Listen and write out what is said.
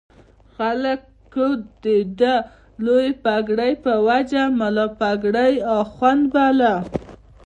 خلکو د ده د لویې پګړۍ په وجه ملا پګړۍ اخُند باله.